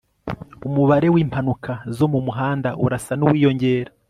umubare wimpanuka zo mumuhanda urasa nuwiyongera